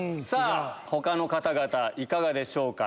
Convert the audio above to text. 他の方々いかがでしょうか？